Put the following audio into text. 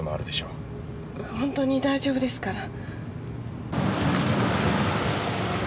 本当に大丈夫ですから。